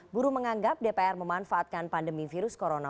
buruh menganggap dpr memanfaatkan pandemi virus corona